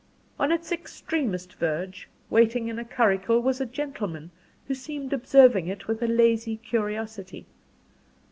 On its extremest verge, waiting in a curricle, was a gentleman, who seemed observing it with a lazy curiosity.